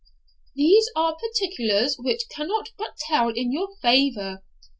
These are particulars which cannot but tell in your favour.